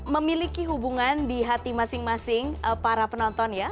memiliki hubungan di hati masing masing para penonton ya